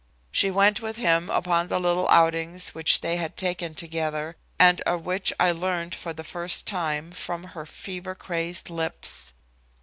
She went with him upon the little outings which they had taken together, and of which I learned for the first time from her fever crazed lips.